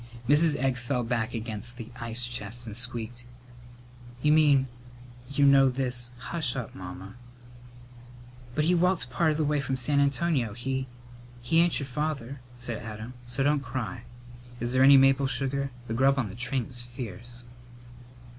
Mrs. Egg fell back against the ice chest and squeaked: "You mean you know this " "Hush up, Mamma!" "But he walked part the way from San Antonio. He " "He ain't your father," said Adam, "so don't cry. Is there any maple sugar? The grub on the train was fierce."